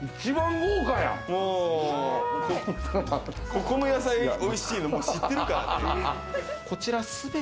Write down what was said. ここの野菜、おいしいの知ってるからね。